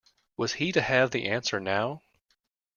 Was he to have the answer now?